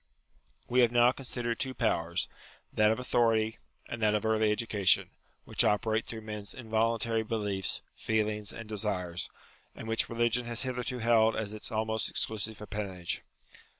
G 84 UTILITY OF RELIGION We have now considered two powers, that of au thority, and that of early education, which operate through men's involuntary beliefs, feelings and desires, and which religion has hitherto held as its almost exclusive appanage.